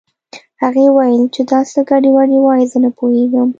هغې وويل چې دا څه ګډې وډې وايې زه نه پوهېږم